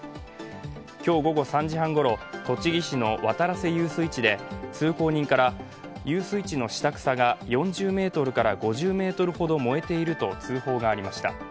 今日午後３時半ごろ、栃木市の渡良瀬遊水地で通行人から、遊水池の下草が４０ｍから５０ｍほど燃えていると通報がありました。